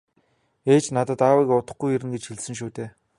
- Ээж надад аавыг удахгүй ирнэ гэж хэлсэн шүү дээ.